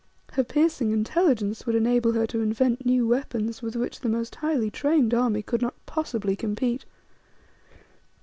Her piercing intelligence would enable her to invent new weapons with which the most highly trained army could not possibly compete.